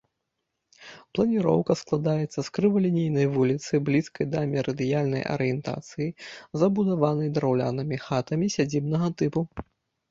Планіроўка складаецца з крывалінейнай вуліцы, блізкай да мерыдыянальнай арыентацыі забудаванай драўлянымі хатамі сядзібнага тыпу.